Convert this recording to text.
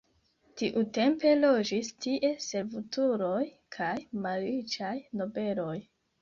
Tiutempe loĝis tie servutuloj kaj malriĉaj nobeloj.